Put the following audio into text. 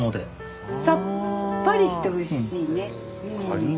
さっぱりしておいしいね。